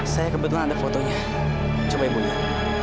saya kebetulan ada fotonya coba ibu lihat